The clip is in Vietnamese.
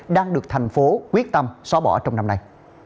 đang được thành phố quyết tâm xóa bỏ trong năm nay